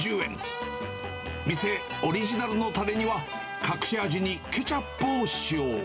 店オリジナルのたれには、隠し味にケチャップを使用。